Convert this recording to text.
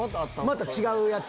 また違うやつで。